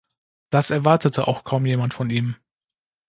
Das erwartete auch kaum jemand von ihm.